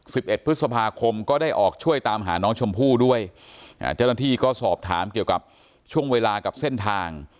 เอ็ดพฤษภาคมก็ได้ออกช่วยตามหาน้องชมพู่ด้วยอ่าเจ้าหน้าที่ก็สอบถามเกี่ยวกับช่วงเวลากับเส้นทาง